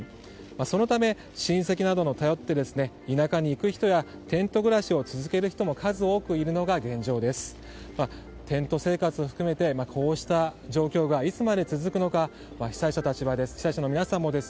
そのため、親戚などを頼って田舎に行く人やテント暮らしを続ける人も数多くいるのが現状です。